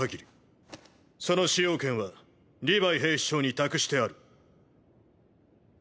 その使用権はリヴァイ兵士長に託してある。